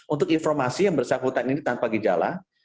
untuk informasi yang bersangkutan ini tanpa gejala